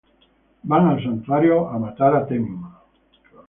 Van al Santuario a matar a Tenma.